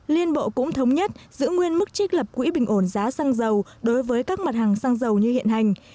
liên bộ cũng thống nhất giữ nguyên mức trích lập quỹ bình ổn giá xăng dầu đối với các mặt hàng xăng dầu như hiện hành